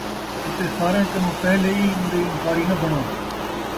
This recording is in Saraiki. اَتے ساریاں کنُوں پہلے اِی اُون٘دے انکاری نہ بݨو،